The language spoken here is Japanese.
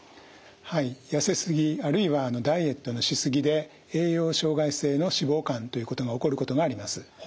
はい痩せすぎあるいはダイエットのし過ぎで栄養障害性の脂肪肝ということが起こることがあります。